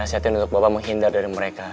kesehatan untuk bapak menghindar dari mereka